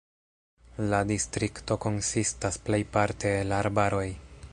La distrikto konsistas plejparte el arbaroj.